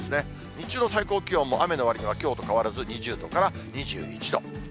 日中の最高気温も雨のわりにはきょうと変わらず２０度から２１度。